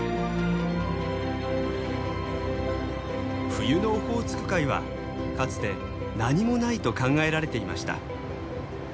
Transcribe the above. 冬のオホーツク海はかつて何もないと考えられていました。